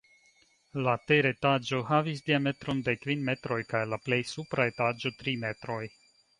La teretaĝo havis diametron de kvin metroj kaj la plej supra etaĝo tri metroj.